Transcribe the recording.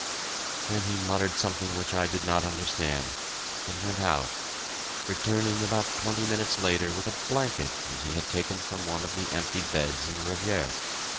Then he muttered something which I did not understand, and went out, returning about twenty minutes later with a blanket which he had taken from one of the empty beds in the Revier.